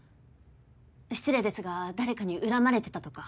失礼ですが誰かに恨まれてたとか。